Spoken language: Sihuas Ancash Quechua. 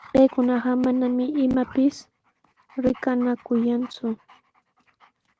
Paykunaqa manami imaypis rikanakuyanku,